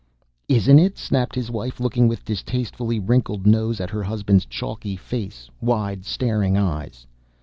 "Isn't it?" snapped his wife, looking with distastefully wrinkled nose at her husband's chalky face, wide staring eyes.